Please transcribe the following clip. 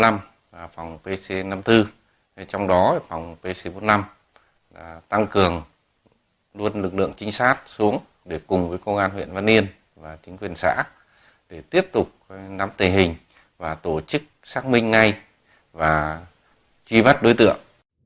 một lượng chính sát xuống để cùng với công an huyện văn yên và chính quyền xã để tiếp tục nắm tề hình và tổ chức xác minh ngay và truy bắt đối tượng